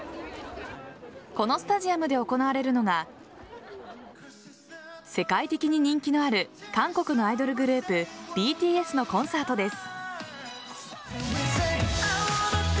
このスタジアムで行われるのが世界的に人気のある韓国のアイドルグループＢＴＳのコンサートです。